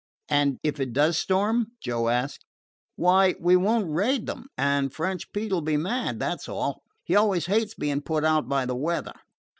"And if it does storm?" Joe asked. "Why, we won't raid them, and French Pete 'll be mad, that 's all. He always hates being put out by the weather.